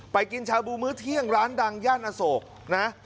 กินชาบูมื้อเที่ยงร้านดังย่านอโศกนะ